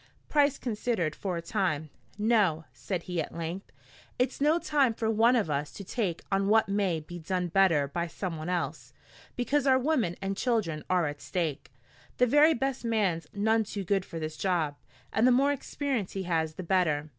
Price considered for a time. "No," said he at length. "It's no time for one of us to take on what may be done better by someone else, because our women and children are at stake. The very best man's none too good for this job, and the more experience he has the better.